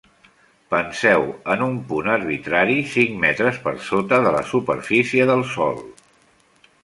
Penseu en un punt arbitrari cinc metres per sota de la superfície del sòl.